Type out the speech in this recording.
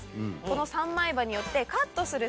この三枚刃によって。